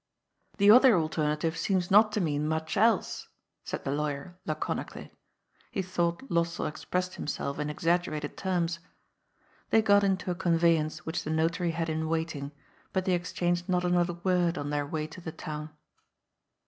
^ The other alternative seems not to mean much else," said the lawyer laconically. He thought Lossell expressed himself in exaggerated terms. They got into a conveyance which the Notary had in waiting, but they exchanged not another word on their way to the town.